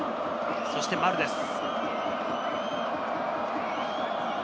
そして丸です。